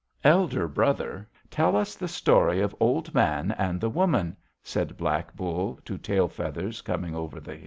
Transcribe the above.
"Elder brother, tell us the story of Old Man and the woman," said Black Bull to Tail Feathers Coming over the Hill.